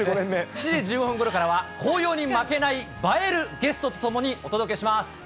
７時１５分ごろからは紅葉に負けない、映えるゲストと共に、お届けします。